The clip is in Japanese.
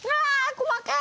細かい！